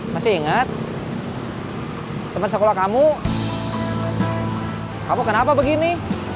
masih ingat teman sekolah kamu kamu kenapa begini